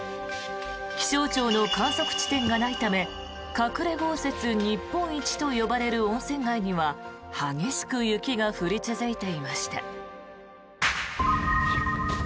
気象庁の観測地点がないため隠れ豪雪日本一と呼ばれる温泉街には激しく雪が降り続いていました。